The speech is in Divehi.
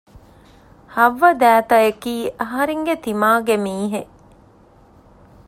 ހައްވަ ދައިތައަކީ އަހަރެންގެ ތިމާގެ މީހެއް